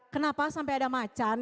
kenapa sampai ada macan